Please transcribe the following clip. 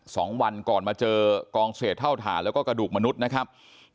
สองวันก่อนมาเจอกองเศษเท่าฐานแล้วก็กระดูกมนุษย์นะครับ